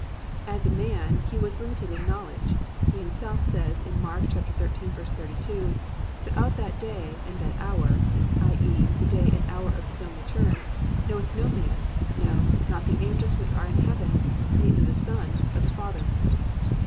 As a man He was limited in knowledge, He Himself says in Mark 13:32, +"But of that day and that hour+ (i.e., the day and the hour of His own return) +knoweth no man; no, not the angels which are in heaven, neither the Son but the Father."